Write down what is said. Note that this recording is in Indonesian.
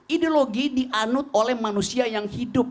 ideologi dianut oleh manusia yang hidup